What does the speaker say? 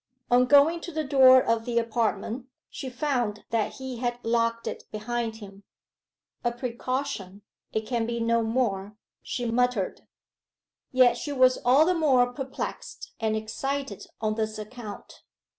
On going to the door of the apartment she found that he had locked it behind him. 'A precaution it can be no more,' she muttered. Yet she was all the more perplexed and excited on this account.